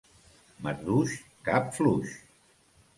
Marduix, cap fluix.